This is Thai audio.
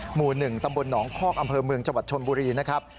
หมู่๑ตำบลหนองคอกอำเภอเมืองจังหวัดชนบุรีนะครับ